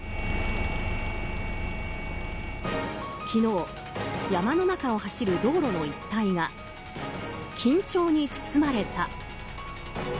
昨日、山の中を走る道路の一帯が緊張に包まれた。